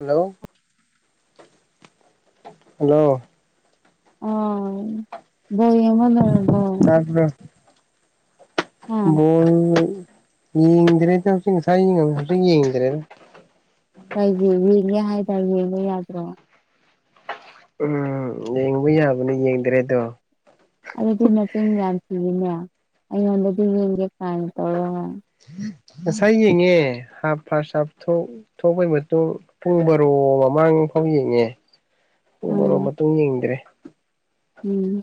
hello hello ꯑ ꯃꯅ ꯌꯥ꯭ꯔꯣ ꯍꯥ ꯃꯣꯟ ꯌꯦꯡ꯭ꯔꯦ ꯌꯦꯗ꯭ꯔꯦꯔ ꯀꯒꯤ ꯌꯦꯡꯒꯦ ꯍꯥꯏꯇꯥꯔꯦ ꯌꯦꯡꯉ ꯌꯥꯗ꯭ꯔꯣ ꯎꯝ ꯌꯦꯡꯕ ꯌꯥꯕꯅꯦ ꯌꯦꯡꯗ꯭ꯔꯦ ꯑꯗꯣ ꯑꯗꯨꯗꯤ ꯅꯆꯤꯟ ꯌꯥꯝ ꯊꯤꯔꯤꯅꯦ ꯑꯩꯉꯣꯟꯗꯗꯤ ꯌꯦꯡꯒꯦ ꯀꯃꯥꯏꯅ ꯇꯧꯔꯅ ꯉꯁꯥꯏ ꯌꯦꯡꯉꯦ ꯍꯥꯞ ꯐ ꯍꯥꯞ ꯊꯣꯛꯄꯒꯤ ꯃꯇꯨꯡ ꯄꯨꯡ ꯕꯔꯣ ꯃꯃꯥꯡ ꯃꯨꯡꯐꯝ ꯌꯦꯡꯉꯦ ꯄꯨꯡ ꯃꯔꯣ ꯎꯝ ꯃꯇꯨꯡ ꯌꯦꯡꯗ꯭ꯔꯦ ꯎꯝ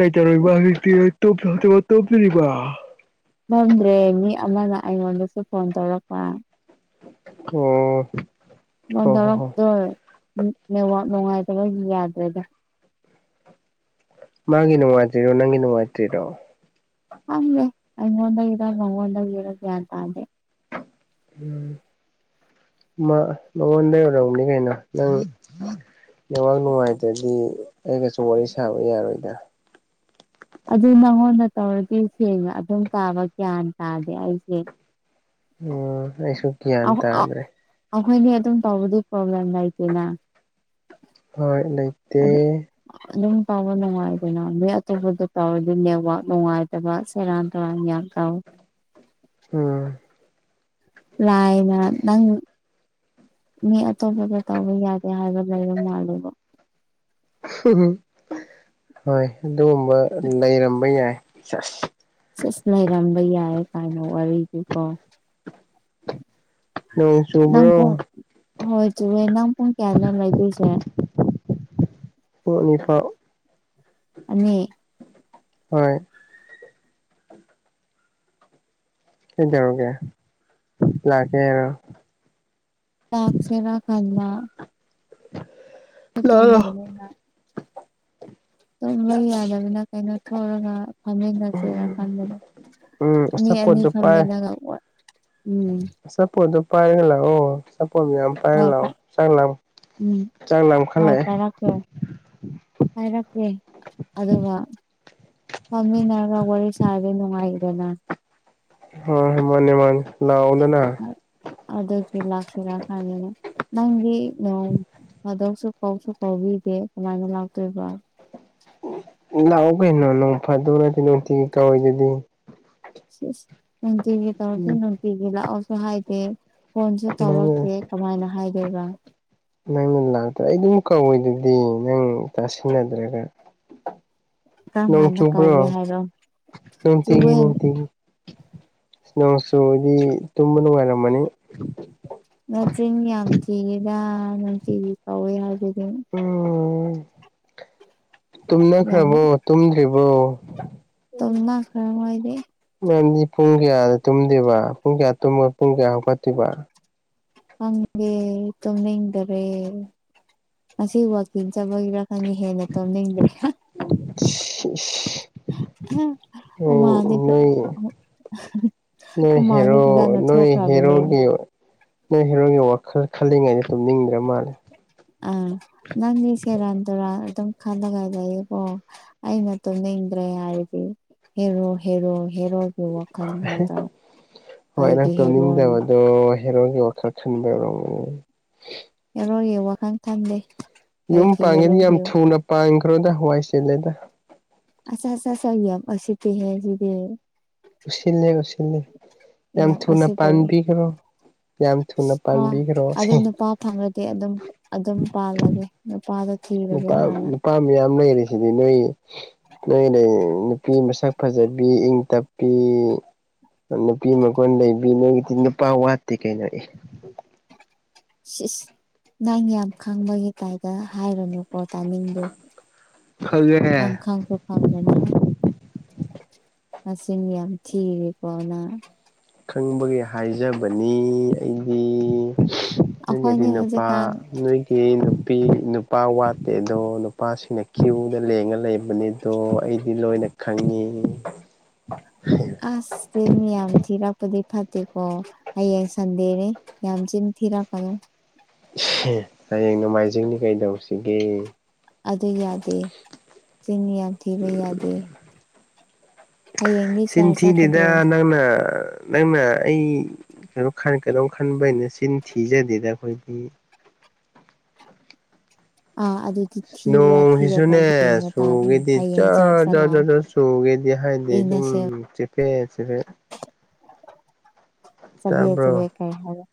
ꯀꯩ ꯇꯔꯣꯏꯕ ꯍꯧꯖꯤꯛꯇꯤꯦꯕ ꯇꯣꯞꯄꯤꯔꯤꯕ ꯐꯝꯗ꯭ꯔꯦ ꯃꯤ ꯑꯃꯅ ꯑꯩꯉꯣꯟꯗꯁꯨ ꯐꯣꯟ ꯇꯧꯔꯛꯄ ꯑꯣ [inaudible] [inaudible] ꯍꯣ ꯍꯣ ꯍꯣ ꯗꯔꯛꯇꯣꯋꯞ ꯅꯨꯡꯉꯥꯏꯇꯕ ꯌꯥꯗ꯭ꯔꯦꯗ ꯃꯥꯒꯤ ꯅꯨꯡꯉꯥꯏꯇ꯭ꯔꯣ ꯅꯪꯒꯤ ꯅꯨꯡꯉꯥꯏꯇ꯭ꯔꯤꯔꯣ ꯑꯩ ꯍꯣꯟꯗꯒ ꯏꯔꯒ ꯅꯪꯣꯟꯗꯒ ꯏꯔꯒ ꯌꯥ ꯇꯑꯗꯦ ꯎꯝ ꯃꯉꯣꯟꯗ ꯑꯣꯏꯔꯝꯅꯤ ꯀꯩꯅꯣ ꯅꯪ ꯌꯋꯥꯥꯛ ꯅꯨꯡꯉꯥꯏꯇ꯭ꯔꯗꯤ ꯑꯩꯒꯁꯨ ꯋꯥꯔꯤ ꯁꯥꯕ ꯌꯥꯔꯣꯏꯗ꯭ꯔ ꯑꯗꯨ ꯅꯪꯉꯣꯟꯗ ꯇꯧꯔꯗꯤ ꯁꯦꯡꯅ ꯑꯗꯨꯝ ꯇꯥꯕ ꯒ꯭ꯌꯥꯟ ꯇꯥꯗꯦ ꯑꯩꯁꯦ ꯎꯝ ꯑꯩꯁꯨ ꯀꯌꯥꯇ ꯑꯗꯨ꯭ꯔꯦ ꯑꯩꯈꯣꯏꯅꯦ ꯑꯗꯨꯝ ꯇꯧꯕꯗꯤ ꯄ꯭ꯔꯣꯕ꯭ꯂꯦꯝ ꯂꯩꯇꯦꯅ ꯍ ꯂꯩꯇ ꯇꯥꯎꯕ ꯅꯨꯡꯉꯥꯏꯗꯅ ꯅ ꯑꯇꯣꯞꯄꯗ ꯇꯥꯎꯋ ꯑꯗꯨ ꯅꯦꯠꯋꯥꯛ ꯅꯨꯡꯉꯥꯏꯇꯕ ꯁꯦꯔꯥꯟ ꯇꯧꯨꯔꯥꯟ ꯒꯌꯥ ꯇꯥꯎꯋꯤ [unintelligible] [inaudible] ꯎꯝ ꯂꯥꯏꯅ ꯅꯪ ꯃꯤ ꯑꯇꯣꯞꯄꯒ ꯇꯧꯕ ꯌꯥꯒꯦ ꯍꯥꯏꯕ ꯂꯩꯕ ꯃꯥꯜꯂꯦꯕ ꯍꯣꯏ ꯑꯗꯨꯒꯨꯝꯕ ꯂꯩꯔꯝꯕ ꯌꯥꯏ ꯆ ꯁꯁ ꯂꯩꯔꯝꯕ ꯌꯥꯏ ꯀꯥꯏꯅꯣ ꯋꯥꯔꯤꯗꯨꯀꯣ ꯅꯣꯡ ꯏꯝ ꯀ ꯆꯨꯕ꯭ꯔꯣ ꯍꯣꯏ ꯆꯨꯕꯅꯥꯝ ꯀ ꯀꯌꯥꯅ ꯂꯗꯨꯁꯦ [unintelligible] [inaudible] ꯍꯨꯡꯅꯤꯐꯥꯎ ꯑꯅꯤ ꯍꯣꯏ ꯁꯤꯗꯔꯒꯦ ꯂꯀꯦꯣ [unintelligible] [inaudible] ꯇꯁꯔꯥ ꯈꯟ [inaudible] ꯂꯥꯛꯑꯣ ꯠꯇꯣꯕꯗ ꯂꯅ [inaudible] [unintelligible] ꯊ ꯌꯥ ꯌꯥꯗ ꯑꯗꯨꯅ ꯑꯩꯅ ꯊꯔꯒ ꯐꯝꯃꯦꯟꯅ ꯆꯦꯔꯀꯥꯟꯗꯗ ꯎꯝ ꯃꯤ ꯑꯅꯤ ꯑꯆꯥꯄꯣꯠꯇꯣ ꯐꯝꯃꯦꯟꯅꯒ ꯁꯞꯨ ꯇꯗꯨꯞꯄꯥꯏꯡꯂ ꯑꯣ ꯄꯝꯕꯤ ꯐ ꯍꯣꯏ ꯆ ꯎꯝ ꯆꯥꯡꯈ ꯂꯩ ꯍꯥꯏꯔꯛꯀꯦ ꯑꯗꯨꯒ ꯐꯃꯤꯟꯅꯅ ꯋꯥꯔꯤ ꯁꯥꯔꯕꯤ ꯅꯨꯡꯉꯥꯏꯗꯅ ꯍ ꯍꯦ ꯃꯥꯅꯦꯃꯅꯤ ꯂꯑꯣꯗꯅ ꯑꯗꯨꯗ ꯐ ꯂꯥꯛꯁꯤꯔ ꯈꯅꯦ ꯅꯪꯗꯤ ꯅ ꯑꯗꯨꯗꯧꯁꯨ ꯀꯥꯎꯁꯨ ꯀꯥꯎꯕꯤꯗꯦ ꯀꯃꯥꯏꯅ ꯂꯥꯛꯇꯣꯏꯕ ꯂꯥꯛꯑꯣ ꯀꯩꯅꯣ ꯅꯣꯡ ꯐꯥꯗꯧꯅꯗꯤ ꯅꯨꯡꯇꯤꯒꯤ ꯀꯧꯋꯏꯗꯨꯗꯤ ꯅꯨꯡꯇꯒꯤꯦ ꯇꯧꯁꯨꯣ ꯅꯅꯨꯡꯇꯤꯒ ꯂꯁꯨ ꯍꯥꯏꯗꯦ ꯐꯣꯟꯁꯨ ꯀꯃꯥꯏꯅ ꯇꯧꯔꯀꯦ ꯀꯃꯥꯏꯅ ꯍꯥꯏꯗꯣꯏꯕ ꯅꯪꯅ ꯂꯥꯛꯇ꯭ꯔꯥ ꯑꯩ ꯑꯗꯨꯝ ꯀꯧꯋꯦꯗꯨꯗꯤ ꯅꯪ ꯇꯥꯁꯤꯟꯅꯗ꯭ꯔꯒ ꯀꯔꯝ ꯅꯣꯡ ꯀꯥꯟꯗ ꯆꯨꯕ꯭ꯔꯣ ꯀꯧꯒꯦ ꯍꯥꯏꯔꯣ ꯅ ꯇꯤ ꯆꯨꯋꯦ ꯅꯅꯨꯡ ꯇꯤ ꯁꯅꯣꯁꯨꯣꯗꯤ ꯇꯨꯝꯃ ꯅꯨꯡꯉꯥꯏꯔ ꯃꯅꯤ ꯅꯆꯤꯟ ꯌꯥꯝ ꯀꯤꯒꯦꯗ ꯅꯅꯨꯡꯇꯤꯒꯤ ꯀꯧꯋꯦ ꯍꯥꯏꯁꯤꯗꯤ ꯎꯝ ꯌꯥꯝ ꯇꯨꯝꯅꯈ꯭ꯔꯕꯣ ꯇꯨꯝꯗ꯭ꯔꯤꯕꯣ ꯇꯣꯝꯅ ꯈꯔ ꯑꯣꯏꯗꯤ ꯃꯔꯝꯗꯤ ꯄꯨꯡ ꯀꯌꯥꯗ ꯇꯨꯝꯗꯦꯕ ꯄꯨꯡ ꯀꯌꯥ ꯇꯨꯝꯃꯒ ꯄꯨꯡ ꯀꯌꯥ ꯍꯧꯀꯠꯇꯣꯏꯕ ꯍꯪꯦ ꯇꯣꯃꯤ ꯏꯗꯔꯦꯁꯤ ꯍ ꯋꯥꯤꯟ ꯆꯕꯔ ꯅꯪ ꯍꯦꯅ ꯇꯣꯅꯤꯗ꯭ꯔꯦ ꯎ ꯍꯨꯃꯥꯡꯗꯤ ꯐ ꯅ [unintelligible] [inaudible] ꯅꯣꯏ ꯍꯨꯃꯥꯡꯗꯤ ꯍꯦꯔꯣ ꯐꯖꯅ ꯅꯣꯏ ꯊꯣꯛꯈ꯭ꯔꯕꯅꯦ ꯍꯦꯔꯒꯦ ꯅꯣꯏ ꯍꯦꯔꯣꯒꯤꯦ ꯋꯥ ꯈꯜꯂꯤꯉꯩꯗ ꯁꯨꯝ ꯅꯤꯡꯗ꯭ꯔ ꯃꯥꯜꯂꯦ ꯑꯗꯨ ꯈꯗ ꯈꯂꯑ ꯀꯣ ꯑꯩꯅ ꯇꯨꯝꯅꯤꯡꯗ꯭ꯔꯦ ꯍꯥꯏꯔꯗꯤ ꯍꯦꯔꯣ ꯍꯦꯔꯣꯏ ꯍꯦꯔꯣꯒꯤ ꯋꯥꯈꯜꯗꯗ ꯍꯣꯏ ꯅꯪ ꯀꯩꯒꯤ ꯍꯦꯔꯣꯅꯣ ꯇꯨꯝꯅꯤꯡꯗꯕꯗꯣ ꯍꯦꯔꯣꯒꯤ ꯑꯣꯊꯔ ꯆꯤꯟꯕꯕꯣꯝ ꯍꯪ ꯊꯝꯗꯦ ꯌꯨꯝ ꯄꯥꯡꯉꯤꯗꯤ ꯌꯥꯝ ꯊꯨꯅ ꯄꯥꯡꯈ꯭ꯔꯣꯗ ꯍꯋꯥꯏ ꯆꯦꯂꯦꯗ ꯑꯁ ꯑꯁ ꯁ ꯑꯁꯤ ꯍ ꯁꯤꯗꯤ ꯨꯁꯤꯦ ꯨꯁꯤꯦ ꯌꯥꯝꯝ ꯌꯥꯝ ꯊꯨꯅ ꯎꯁꯤꯠꯇꯕ ꯄꯥꯟꯕꯤꯈ꯭ꯔꯣ ꯌꯥꯝ ꯊꯨꯅ ꯑ ꯄꯥꯟꯕꯤꯈ꯭ꯔꯣ ꯑꯗꯨ ꯁꯤ ꯅꯨꯄꯥ ꯐꯪꯂꯪꯂꯗꯤ ꯑꯗꯨꯝ ꯑꯗꯨꯝ ꯄꯥꯝꯂꯒꯦ ꯄꯝ ꯄꯝ ꯏ ꯌꯥꯝꯝꯅ ꯑꯦꯔꯤꯁꯤꯗꯤ ꯅꯣꯏ ꯅꯣꯏ ꯅꯨꯄꯤ ꯃꯁꯛ ꯐꯖꯕꯤ ꯏꯪ ꯇꯞꯄꯤ ꯅꯨꯄꯤ ꯃꯈꯣꯟ ꯂꯩꯕꯤ ꯅꯣꯏꯒꯤꯗꯤ ꯅꯨꯄꯥ ꯋꯥꯠꯇꯦ ꯀꯩꯅꯣ ꯁꯤꯁ ꯅꯪ ꯌꯥꯝ ꯈꯪꯕꯒꯤ ꯀꯥꯏꯗ ꯍꯥꯏꯔꯨꯅꯨ ꯄꯣ ꯇꯥꯅꯤꯡꯗꯦ ꯅꯪ ꯈꯪꯉꯦ ꯈꯪꯁꯨ ꯈꯪꯗꯅ ꯑ ꯁꯤꯅꯤ ꯌꯥꯝ ꯆꯤꯗꯤ ꯄꯅ ꯈꯪꯕꯒꯤ ꯍꯥꯏꯖꯕꯅꯤ ꯑꯩꯗꯤ ꯅꯣꯏꯒꯤꯗꯤ ꯑꯩꯈꯣꯏꯅꯤ ꯅꯨꯄꯥ ꯍꯧꯖꯤꯛꯀꯥꯟ ꯅꯣꯏꯒꯤ ꯅꯨꯄꯤ ꯅꯨꯄꯥ ꯋꯥꯠꯇꯦ ꯑꯗꯣ ꯅꯨꯄꯥꯁꯤꯡꯅ ꯀ꯭ꯌꯨꯗ ꯂꯦꯡꯉ ꯂꯩꯕꯅꯤ ꯑꯗꯣ ꯑꯩꯗꯤ ꯂꯣꯏꯅ ꯈꯪꯉꯤ ꯑꯁꯇ ꯃꯤ ꯌꯥꯝ ꯊꯤꯔꯛꯄꯗꯤ ꯐꯠꯇꯦꯀꯣ ꯍꯌꯦꯡ ꯁꯟꯗꯦꯅꯦꯦ ꯌꯥꯝ ꯆꯤꯟ ꯊꯤꯔꯀꯅꯦ ꯍꯌꯦꯡ ꯅꯣꯡꯃꯥꯏꯖꯤꯡꯅꯤ ꯀꯩꯗꯧꯁꯤꯒꯦ ꯑꯗ ꯌꯥꯗꯦ ꯁꯤꯅꯤ ꯌꯥꯗꯔ ꯌꯥꯗꯦ ꯍꯌꯦꯡꯗꯤ ꯆꯔ ꯁꯤꯤꯟꯊꯤꯗꯦꯗ ꯆꯠꯀꯗ꯭ꯔꯣ ꯅꯪꯅ ꯅꯪꯅ ꯑꯩ ꯀꯩꯅꯣ ꯀꯩꯗꯧꯝ ꯈꯟꯕꯩꯅ ꯁꯤꯅ ꯊꯤꯖꯗꯦꯗ ꯑꯩꯈꯣꯏꯗꯤ ꯑ ꯑꯗꯨꯗ ꯅꯣꯡꯁꯤꯁꯨꯅꯦ ꯇꯥꯕꯅꯤ ꯆꯨꯒꯦꯗꯤ ꯖ ꯍꯌꯦꯡ ꯆꯔ ꯖ ꯆꯠꯂꯥꯎ ꯖ ꯖ ꯆꯨꯒꯦꯗꯤ ꯍꯥꯏꯗꯦ ꯎꯝ ꯌꯦꯡꯅꯁꯦ ꯆꯄꯦ ꯆꯄꯦ ꯆꯕꯦ ꯆꯕꯦ ꯀꯩ ꯍꯥꯏꯔꯦ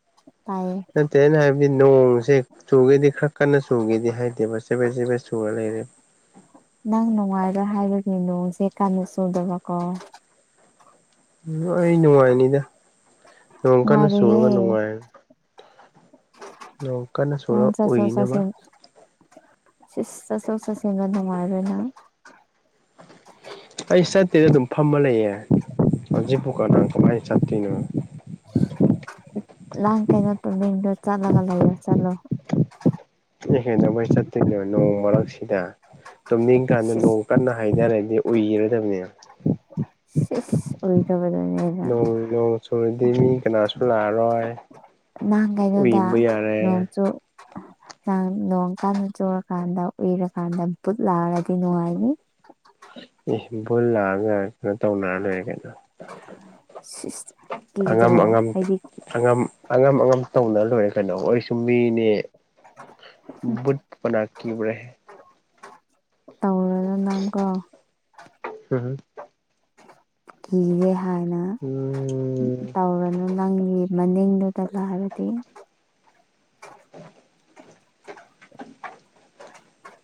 ꯅ ꯇꯅ ꯍꯥꯏꯕꯗꯤ ꯅꯣꯡꯁꯦ ꯇꯨꯒꯦꯛ ꯀꯟꯅ ꯁꯨꯈꯤꯦꯗꯤ ꯍꯥꯏꯗꯦꯕ ꯆꯦꯕꯦ ꯆꯦꯕꯦꯠ ꯁꯨꯔ ꯂꯩꯔꯦ ꯆ ꯀꯃꯤ ꯁꯨꯔꯗꯕꯀ ꯑꯩ ꯅꯨꯡꯉꯥꯏꯅꯤꯗ ꯅꯣꯡ ꯀꯟꯅ ꯁꯨꯔꯒ ꯅꯨꯡꯉꯥꯏ ꯑ ꯆꯠꯁꯣ ꯎꯏꯅꯕ ꯆꯠꯁꯁꯣꯠ ꯆꯒꯗꯅꯨꯡ ꯃꯔꯕꯅ ꯑꯩ ꯆꯠꯇꯦꯗ ꯑꯗꯨꯝ ꯐꯝꯃ ꯂꯩꯌꯦꯦ ꯍꯧꯖꯤꯛꯕꯨꯀꯥꯡ ꯀꯃꯥꯏꯅ ꯆꯞꯇꯤꯅ ꯂꯥꯡ ꯀꯩꯅꯣ ꯇ ꯃꯤꯡꯗꯣ ꯆꯠꯂꯒ ꯂꯩꯌꯣ ꯆꯠꯂꯣ ꯏ ꯍꯦꯟꯅ ꯑꯩꯣꯏ ꯆꯠꯇꯣꯏꯅꯦꯣ ꯅꯣꯡ ꯃꯔꯛꯁꯤꯗ ꯇꯨꯝꯅꯤꯡ ꯀꯥꯟꯗ ꯁꯤꯁ ꯅꯣꯡ ꯀꯟꯅ ꯍꯥꯏꯇꯥꯔꯦꯗꯤ ꯑꯣꯏꯒꯦꯔꯗꯕꯅꯤꯅ ꯁꯤꯁ ꯑꯣꯏꯔꯕꯗꯨꯅꯦꯅ ꯣꯡ ꯅꯣꯡ ꯆꯨꯨꯔꯗꯤ ꯃꯤ ꯀꯅꯥꯁꯨ ꯂꯥꯛꯑꯔꯣꯏ ꯅꯍꯥꯟ ꯀꯩꯅꯣꯗ ꯎꯏꯕ ꯌꯥꯔꯦ ꯅꯣꯡꯁꯨꯨ ꯅ ꯅꯣꯡꯀꯥꯟꯗ ꯆꯨꯔꯀꯥꯟꯗ ꯎꯏꯔꯀꯥꯟꯗ ꯕꯨꯠ ꯂꯥꯛꯔꯗꯤ ꯅꯨꯡꯉꯥꯏꯅꯤ ꯏ ꯕꯨꯜ ꯂꯥꯛꯑꯒ ꯀꯩꯅꯣ ꯇꯧꯅꯔ ꯂꯩꯣꯏꯔꯦ ꯀꯩꯅꯣ ꯁꯤꯁ ꯑꯉꯝ ꯀꯤꯗ꯭ꯔꯣ ꯑꯉꯝ ꯑꯩꯗꯤ ꯑꯉꯝ ꯑꯉꯝ ꯑꯉꯝ ꯇꯧꯅ ꯂꯣꯏꯔꯦ ꯀꯩꯅꯣ ꯑꯩꯁꯨꯨꯝ ꯃꯤꯅꯦ ꯙ ꯄꯅꯥ ꯀ꯭ꯕꯔꯦ ꯇꯧꯔꯗꯅ ꯀꯣ ꯀꯤꯒꯦ ꯍꯥꯏꯅ ꯎꯝ ꯇꯧꯔꯅꯨ ꯅꯪ ꯃꯅꯤꯗꯨꯗꯂ ꯍꯥꯏꯔꯗꯤ ꯎ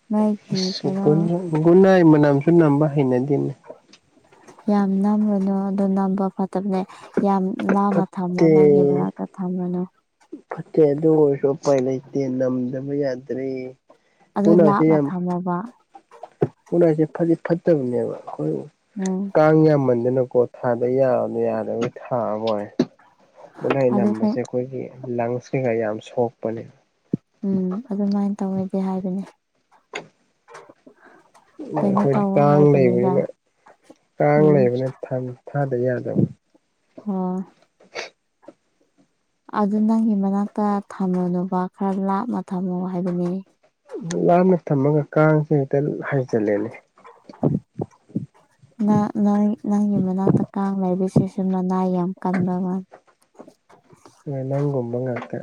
ꯅꯣꯏꯒꯤ ꯀꯩꯅꯣ ꯒꯨꯏ ꯃꯝꯁꯨꯝꯕꯍꯥꯏꯅꯗꯤꯅꯦ ꯌꯥꯝ ꯅꯝꯝꯕꯅꯨ ꯑ ꯅꯝꯕ ꯐꯠꯇꯕꯅꯦ ꯌꯥꯝ ꯂꯃ ꯊꯝꯝꯕꯃꯣ ꯐꯠꯇꯦ ꯅꯪꯒꯦꯕꯔꯇ ꯊꯝꯃꯅꯣ ꯐꯠꯇꯦ ꯑꯗꯨ ꯑꯣꯏꯔꯁꯨ ꯎꯄꯥꯏ ꯂꯩꯇꯦ ꯅꯝꯗꯕ ꯌꯥꯗ꯭ꯔꯦ ꯑꯗꯨ ꯂꯥꯞꯅ ꯊꯝꯃꯣꯕ ꯈꯨꯅꯥꯁꯦ ꯐꯗꯤ ꯐꯠꯇꯕꯅꯦꯕ ꯍꯣꯏ ꯎꯝ ꯀꯥꯡ ꯌꯥꯝꯃꯟꯗꯅꯀꯣ ꯊꯥꯗ ꯌꯥꯔ ꯌꯥꯗꯕꯩ ꯊꯥꯑꯃꯣꯏ ꯃꯨꯠꯍꯩ ꯑꯗꯨ ꯅꯝꯕꯁꯦ ꯑꯩꯈꯣꯏꯒꯤ ꯂꯪꯁ ꯀꯩꯀꯥ ꯌꯥꯝ ꯁꯣꯛꯄꯅꯦꯕ ꯎꯝ ꯑꯗꯨꯃꯥꯏꯅ ꯇꯧꯉꯗꯤ ꯍꯥꯏꯕꯅꯦ ꯀꯩꯅꯣ ꯑꯩꯈꯣꯏꯗꯤ ꯇꯧꯋꯣ ꯀꯥꯡ ꯍꯥꯏꯕꯅꯤꯗ ꯂꯩꯕꯅꯤꯅ ꯀꯥꯡ ꯎꯝ ꯂꯩꯕꯅ ꯊꯝꯃꯤ ꯊꯥꯗ ꯌꯥꯔꯗꯕ ꯑ ꯑꯗꯨ ꯅꯪꯒꯤ ꯃꯅꯥꯛꯇ ꯊꯝꯃꯨꯅꯣꯕ ꯈꯔ ꯂꯥꯞꯅ ꯊꯝꯃꯣ ꯍꯥꯏꯕꯅꯤꯅꯦ ꯂꯥꯞꯅ ꯊꯝꯃꯒ ꯀꯥꯡꯁꯦ ꯍꯦꯛꯇ ꯍꯥꯏꯖꯜꯂꯦꯅꯦ ꯅ ꯅꯪꯒꯤ ꯃꯅꯥꯛꯇ ꯀꯥꯡ ꯂꯩꯕꯤꯁꯤꯁꯨ ꯃꯅꯥꯏ ꯌꯥꯝ ꯀꯟꯕꯕ [unintelligible] ꯅꯪꯒꯨꯝꯕ ꯉꯥꯛꯇ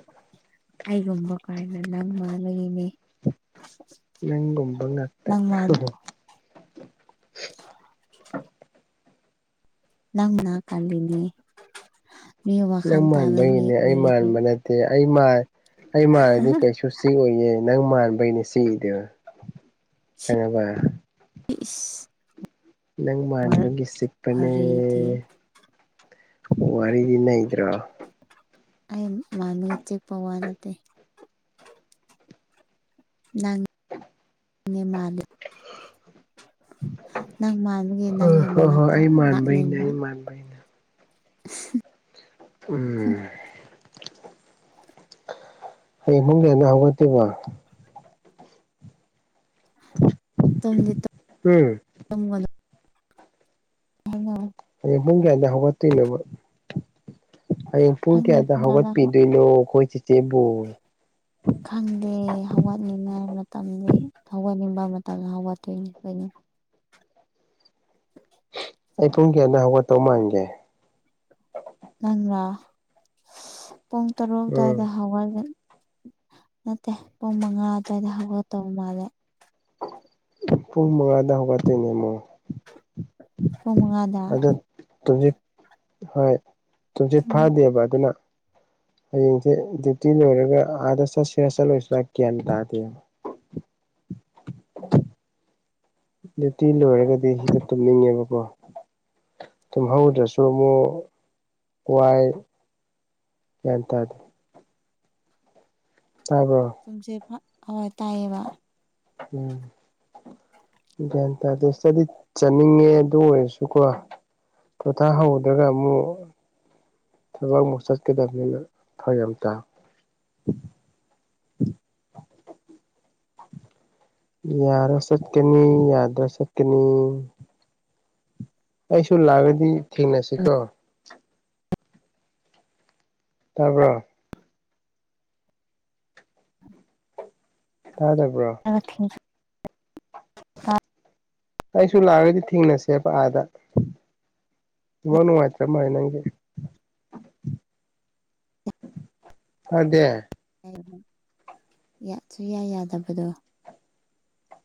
ꯑꯩꯒꯨꯝꯕ ꯀꯥꯏꯅ ꯅꯪ ꯃꯥ ꯂꯩꯅꯦ ꯅꯪ ꯀꯨꯝꯕ ꯉꯇ ꯅꯪ ꯃꯥꯟ [unintelligible] ꯅꯪ ꯃꯥꯅꯥ ꯀꯗꯅꯤ ꯅꯪ ꯃꯥꯟꯕꯒꯤꯅꯦ ꯑꯩ ꯃꯥꯟꯕ ꯅꯠꯇꯦ ꯑꯩ ꯃꯥꯏ ꯑꯩ ꯃꯥꯔꯗꯤ ꯀꯩꯁꯨ ꯁꯤ ꯑꯣꯏꯌꯦꯦ ꯅꯪ ꯃꯥꯟꯕꯩꯅꯦ ꯁꯤꯗꯣ ꯈꯪꯉꯕ ꯏꯁꯤꯁ ꯅꯪ ꯃꯥꯟꯕꯒꯤ ꯆꯤꯛꯄꯅꯦ ꯋꯥꯔꯤꯗꯤ ꯋꯥꯔꯤꯗꯤ ꯅꯗ꯭ꯔꯥ ꯑꯩ ꯃꯃꯤꯒ ꯆꯦꯛꯄ ꯋꯥ ꯅꯠꯇ ꯅꯪꯅꯦ ꯃꯥꯂ ꯅꯪ ꯃꯥꯒꯤ ꯍꯣꯏ ꯅꯪꯒꯤ ꯍꯣꯏ ꯍꯣꯏ ꯃꯅꯥꯛꯇ ꯑꯩ ꯃꯥꯟꯕꯩꯅꯦ ꯂꯥꯛꯅꯤꯡꯕ ꯑꯩ ꯃꯥꯟꯕꯩꯅꯦ [unintelligible] ꯎ ꯑꯩ ꯏꯃꯨꯡꯒꯤ ꯍꯦꯟꯅ ꯍꯧꯒꯠꯇꯦꯕ ꯇꯝꯗꯤ ꯎꯝ ꯇꯒꯗ ꯎ ꯍ [unintelligible] ꯍꯌꯦꯡ ꯄꯨꯡ ꯀꯌꯥꯗ ꯍꯧꯒꯠꯇꯣꯏꯅꯣꯕ ꯡ ꯄꯨꯨꯡ ꯈꯪꯗꯦ ꯀꯌꯥ ꯄꯨꯡ ꯀꯌꯥꯗ ꯍꯧꯒꯠꯄꯤꯗꯨ ꯅꯣ ꯈꯪꯗꯦ ꯍꯧꯒꯠꯅꯤꯡꯉꯥꯏ ꯃꯇꯝ ꯍꯧꯒꯠꯅꯤꯡꯉꯥꯏ ꯃꯇꯥ ꯂꯍ ꯋꯥꯇꯣꯏ ꯉ ꯀꯣꯏ ꯑꯩ ꯄꯨꯡ ꯀꯌꯥꯗ ꯍꯧꯒꯠꯇꯧ ꯃꯥꯟꯒꯦ ꯅꯪꯥ ꯄꯨꯡ ꯇꯔꯨꯛ ꯑꯗꯨꯋꯥꯏꯗ ꯎꯝ ꯍꯧꯔꯒꯅꯤ ꯅꯠꯇꯦ ꯄꯨꯡ ꯃꯉꯥ ꯑꯗꯨꯋꯥꯏꯗ ꯍꯧꯒ ꯇꯧꯕ ꯃꯥꯜꯂꯦ ꯄꯨꯡ ꯃꯉꯥꯗ ꯍꯧꯒ ꯇꯣꯏꯅꯦ ꯑꯃꯨ ꯍꯉꯥꯗ ꯇꯨꯝꯁꯤꯠ ꯍꯣꯏ ꯇꯨꯝꯆꯠ ꯎꯝ ꯐꯗꯦꯕ ꯑꯗꯨꯅ ꯍꯌꯦꯡꯁꯦ ꯗ꯭ꯌꯨꯇꯤ ꯂꯣꯏꯔꯒ ꯑꯥꯗ ꯆꯠꯁꯤꯔꯥ ꯆꯠꯂꯣꯏꯁꯤꯔ ꯒ꯭ꯌꯥꯟ ꯇꯥꯗꯦꯕ [inaudible] ꯑ [inaudible] ꯌꯇꯤ ꯂꯣꯏꯔꯒꯗꯤ ꯁꯤꯗ ꯇꯨꯝꯅꯤꯡꯉꯦꯕꯀꯣ ꯇꯨꯝꯍꯧꯗꯁꯃꯨ ꯀꯋꯥꯥꯏ ꯍꯦꯟꯇꯥꯗꯤ ꯇꯁꯦ ꯑꯋꯥ ꯇꯌꯦꯕ ꯎꯝ ꯒ꯭ꯌꯥꯟ ꯇꯥꯗ ꯏꯁꯇꯗꯤ ꯆꯠꯅꯤꯡꯉꯦ ꯑꯗꯨ ꯑꯣꯏꯔꯁꯨꯀꯣ ꯄꯣꯊꯥꯍ ꯍꯧꯗ꯭ꯔꯒ ꯑꯃꯨꯛ ꯊꯕꯛ ꯃꯣꯁꯀꯗꯕꯅꯤꯅ ꯊꯋꯥ ꯌꯥꯝ ꯇꯥꯏ [inaudible] ꯌꯥꯔ ꯆꯠ ꯀꯅꯤ ꯌꯥꯗꯣ ꯆꯠ ꯀꯅꯤ ꯑꯩꯁꯨ ꯂꯥꯕꯗꯤ ꯊꯦꯡꯅꯁꯤ ꯀꯣ ꯇꯥꯕꯔꯣ ꯊꯥꯗꯕ꯭ꯔꯣ ꯍꯥꯥ [unintelligible] ꯑꯩꯁꯨ ꯂꯥꯛꯑꯒꯗꯤ ꯊꯦꯡꯅꯁꯦꯕ ꯑꯥꯗ ꯋꯥꯅꯅꯨꯡ ꯍꯥꯏ ꯆ꯭ꯔ ꯃꯥꯥꯏ ꯅꯪꯒꯦ ꯑꯗ ꯁꯨꯌꯥ ꯌꯥꯗꯕꯗꯣ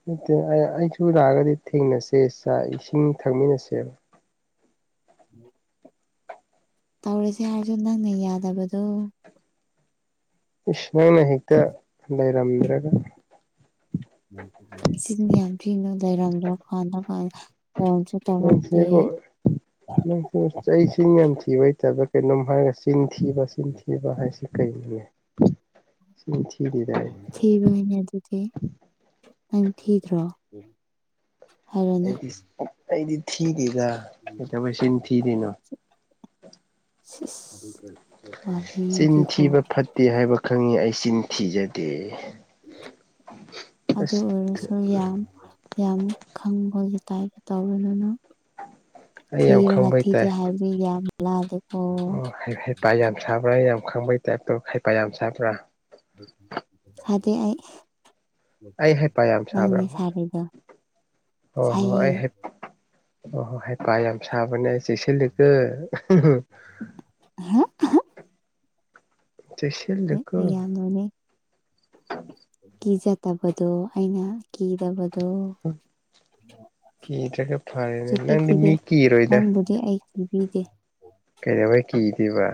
ꯅꯠꯇꯦ ꯑꯩꯁꯨ ꯂꯥꯛꯑꯒꯗꯤ ꯊꯦꯡꯅꯁꯦꯥꯛ ꯏꯁꯤꯡ ꯊꯛꯃꯤꯟꯅꯁꯦꯕ ꯇꯧꯔꯤꯁꯦ ꯍꯥꯏꯔꯁꯨ ꯅꯪꯅ ꯌꯥꯗꯕꯗꯣ ꯏꯁ ꯅꯪꯅ ꯍꯦꯛꯇ ꯂꯩꯔꯝꯗ꯭ꯔꯒ ꯁꯤꯖꯤꯅꯤ ꯌꯥꯝ ꯊꯤꯅꯣ ꯂꯩꯔꯝ ꯈꯋꯥꯜ ꯈꯥ ꯅꯁꯤꯕꯨꯁꯤꯕꯨ ꯆꯍꯤꯁꯤꯡ ꯌꯥꯝ ꯊꯤꯕ ꯍꯇꯕ ꯀꯩꯅꯣꯝ ꯍꯥꯏꯔꯁꯤꯦ ꯆꯤꯟꯊꯤꯕ ꯆꯤꯟꯊꯤꯕ ꯍꯥꯏꯁꯤ ꯀꯩꯅꯩꯅꯣꯅꯦ ꯊꯕꯅꯦ ꯑꯗꯨꯗꯤ ꯊꯤꯈ꯭ꯔꯣ ꯑꯩꯗꯤ ꯑꯩꯗꯤ ꯊꯤꯗꯦꯗꯥ ꯀꯩꯗꯧꯕꯩ ꯆꯤꯟ ꯊꯤꯗꫭꯏꯅꯣ ꯁꯤꯍ ꯆꯤꯟ ꯊꯤꯕ ꯐꯠꯇꯦ ꯍꯥꯏꯕ ꯈꯪꯉꯤ ꯑꯩ ꯆꯤꯟ ꯊꯤꯖꯗꯦ ꯑꯗꯨ ꯑꯁ ꯑꯣꯏꯔꯁꯨ ꯌꯥꯝ ꯌꯥꯝ ꯈꯪꯕꯖꯤ ꯇꯥꯏꯕ ꯇꯧꯒꯅꯨ ꯑꯩ ꯌꯥꯝ ꯊꯤꯔꯒ ꯈꯪꯕꯩ ꯊꯤꯗꯤ ꯇꯥꯏ ꯍꯥꯏꯕ ꯌꯥꯝ ꯂꯥꯏꯕꯅꯤ ꯑꯣ ꯍꯩꯄꯥ ꯌꯥꯝ ꯁꯥꯕ꯭ꯔꯥ ꯌꯥꯝ ꯈꯪꯕꯩ ꯇꯥꯏꯞꯇꯣ ꯍꯩꯄꯥ ꯌꯥꯝ ꯁꯥꯕ꯭ꯔꯥ ꯍꯥꯏꯗꯤ ꯑꯩ ꯑꯩ ꯍꯥꯏꯄ ꯌꯥꯝ ꯅꯪꯅꯦ ꯁꯥꯕ꯭ꯔꯕ ꯁꯥꯔꯤꯗꯣ ꯍꯣꯏ ꯍꯣꯏ ꯁꯥꯏꯌꯦ ꯑꯩ ꯍꯥꯏꯄꯥ ꯑꯣ ꯍꯣ ꯍꯥꯏꯄ ꯌꯥꯝ ꯁꯥꯕꯅꯦ ꯆꯦꯛꯁꯂꯒ ꯍꯥ ꯆꯦꯛꯁꯤꯜꯂꯨꯀꯣ ꯌꯥꯅꯣꯅꯦ ꯀꯖ ꯇꯕꯗꯣ ꯑꯩꯅ ꯀꯤꯗꯕꯗꯣ ꯀꯤꯗꯔꯥ ꯐꯔꯦꯅꯦ ꯁꯨꯀꯤ ꯂꯪꯗꯤ ꯀꯤꯗꯦ ꯃꯤ ꯀꯔꯣꯏꯗ ꯅꯪꯕꯨꯗꯤ ꯑꯩ ꯀꯤꯕꯤꯗꯦ ꯀꯩꯩꯅꯕꯩ ꯀꯤꯗꯦꯕ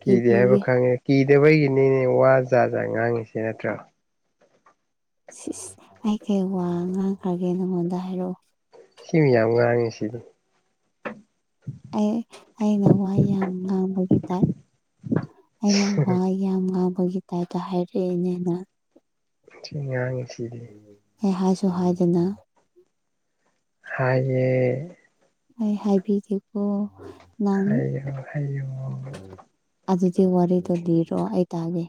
ꯀꯤꯗꯦ ꯍꯥꯏꯕ ꯀꯤꯕꯤꯗꯦ ꯈꯪꯉꯦ ꯀꯤꯗꯕꯩꯒꯤꯅꯤꯅꯦ ꯋꯥ ꯖꯥꯠ ꯖꯥꯠ ꯉꯥꯡꯉꯁꯤ ꯅꯠꯇ꯭ꯔꯣ ꯁꯤꯁ ꯑꯩ ꯀꯩ ꯋꯥ ꯉꯥꯡꯈ꯭ꯔꯒꯦ ꯅꯉꯣꯟꯗ ꯍꯥꯏꯔꯛꯑꯣ ꯁꯤꯃ ꯌꯥꯝ ꯋꯥꯥꯡꯉꯤ ꯁꯤꯗꯤ ꯑꯩ ꯑꯩꯅ ꯋꯥ ꯌꯥꯝ ꯉꯥꯡꯕꯒꯤ ꯇꯥꯏ ꯑꯩꯅ ꯋꯥ ꯌꯥꯝ ꯉꯥꯕꯒꯤ ꯇꯥꯏꯞꯇ ꯍꯥꯏꯔꯛꯑꯦꯅꯦ ꯅꯪ ꯁꯤ ꯑꯉꯥꯡ ꯁꯤꯗꯤ ꯑꯦ ꯍꯥꯏꯁꯨ ꯍꯥꯏꯗꯅ ꯍꯥꯏ ꯑꯩ ꯍꯥꯏꯕꯤꯒꯦꯀꯣ ꯍꯥꯏꯌꯨ ꯍꯥꯏꯌꯨ ꯑꯗꯨꯗꯤ ꯋꯥꯔꯦꯗꯗꯤꯔꯣ ꯑꯩꯇꯗꯤ